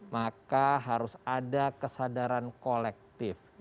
maka harus ada kesadaran kolektif